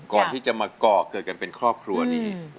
ก่อนที่จะมาก่อเกิดกันเป็นครอบครัวนี้